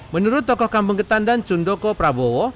menurut tokoh kampung ketandan cundoko prabowo